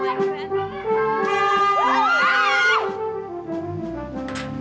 sialan banget sih loh